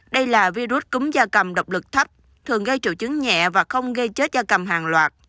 đây là virus cúm da cầm độc lực thấp thường gây triệu chứng nhẹ và không gây chết da cầm hàng loạt